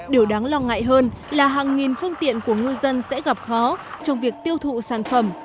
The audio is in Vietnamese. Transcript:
điều đáng lo ngại hơn là hàng nghìn phương tiện của ngư dân sẽ gặp khó trong việc tiêu thụ sản phẩm